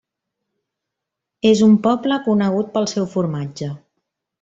És un poble conegut pel seu formatge.